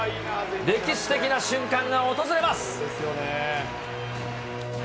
歴史的な瞬間が訪れます。